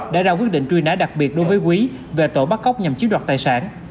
đã ra quyết định truy nã đặc biệt đối với quý về tội bắt cóc nhằm chiếm đoạt tài sản